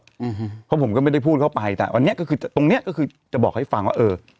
อืมเพราะผมก็ไม่ได้พูดเข้าไปแต่วันนี้ก็คือตรงเนี้ยก็คือจะบอกให้ฟังว่าเออ